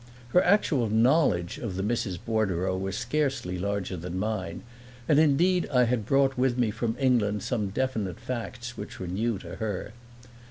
Her actual knowledge of the Misses Bordereau was scarcely larger than mine, and indeed I had brought with me from England some definite facts which were new to her.